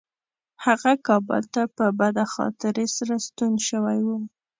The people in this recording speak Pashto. هغه کابل ته په بده خاطرې سره ستون شوی و.